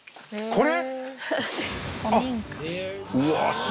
これ？